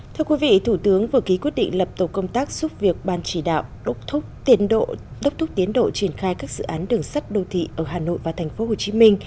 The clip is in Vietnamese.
thưa quý vị thủ tướng vừa ký quyết định lập tổ công tác giúp việc ban chỉ đạo đốc thúc tiến độ triển khai các dự án đường sắt đô thị ở hà nội và tp hcm